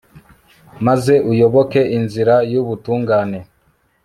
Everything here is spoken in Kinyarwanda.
maze uyoboke inzira y'ubutungane